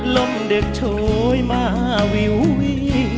ลมเดือดโชยมาวิววิ